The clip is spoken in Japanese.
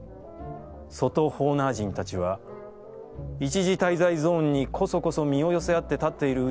外ホーナー人たちは、一時滞在ゾーンにこそこそ身を寄せあって立っている内